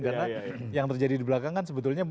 karena yang terjadi di belakang kan sebetulnya